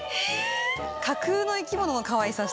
架空の生き物のかわいさ。